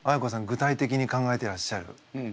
具体的に考えてらっしゃる。